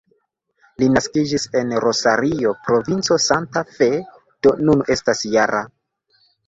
Li naskiĝis en Rosario, provinco Santa Fe, do nun estas -jara.